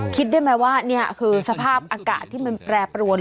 คิดได้ไหมว่านี่คือสภาพอากาศที่มันแปรปรวน